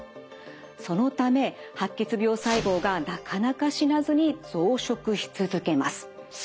そのため白血病細胞がなかなか死なずに増殖し続けます。